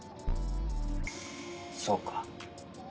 そうか。